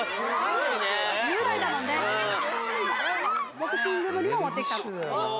「ボクシング部にも持ってきた」